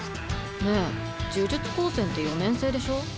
ねえ呪術高専って四年制でしょ？